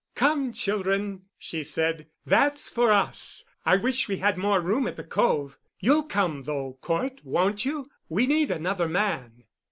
"Come, children," she said, "that's for us. I wish we had more room at The Cove. You'll come, though, Cort, won't you? We need another man."